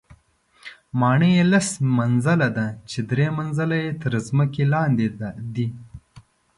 ماڼۍ یې لس منزله ده چې درې منزله یې تر ځمکې لاندې دي.